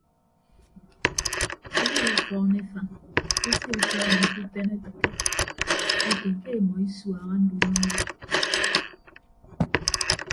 Eyop ọfọọn efañ esie ọtọọñọ ke uten etịkke ete ke emọ isuaha ndunọọhọ.